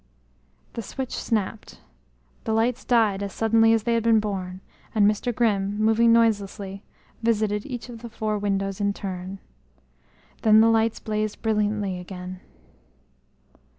The switch snapped. The lights died as suddenly as they had been born, and Mr. Grimm, moving noiselessly, visited each of the four windows in turn. Then the lights blazed brilliantly again.